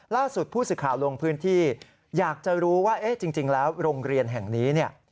ล่าสุดผู้สื่อข่าวลงพื้นที่อยากจะรู้ว่าเอ๊ะจริงแล้วโรงเรียนแห่งนี้เนี่ย